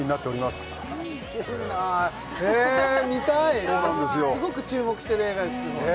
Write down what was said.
すごく注目してる映画です